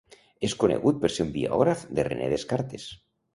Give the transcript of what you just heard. És conegut per ser un biògraf de René Descartes.